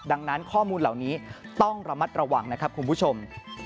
ดังนั้นข้อมูลเหล่านี้ต้องระมัดระวังนะครับคุณผู้ชม